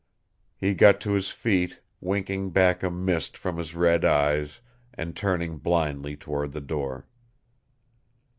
He got to his feet, winking back a mist from his red eyes, and turning blindly toward the door.